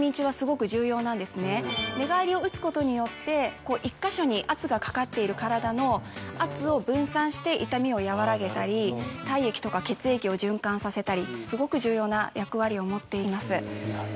寝返りをうつことによって１か所に圧がかかっている体の圧を分散して痛みを和らげたり体液とか血液を循環させたりすごく重要な役割を持っています。